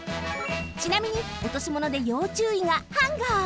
ちなみにおとしものでよう注意がハンガー。